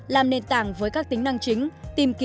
làm nền tảng với các tính năng chính